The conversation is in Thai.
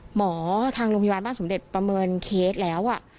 ทางโรงพยาบาลบ้านสมเด็จประเมินเคสแล้ว